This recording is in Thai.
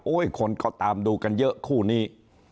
คนก็ตามดูกันเยอะคู่นี้